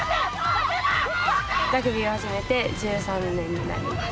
ラグビーを始めて１３年になります。